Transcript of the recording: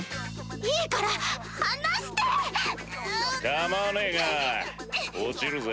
かまわねぇが落ちるぜ。